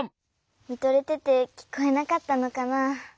みとれててきこえなかったのかな。